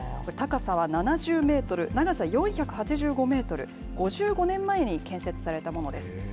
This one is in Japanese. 高さは７０メートル、長さ４８５メートル、５５年前に建設されたものです。